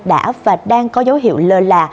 đã và đang có dấu hiệu lơ là